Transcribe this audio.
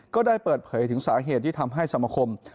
ก็ได้เปิดเผยถึงสาเหตุที่ทำให้สมคม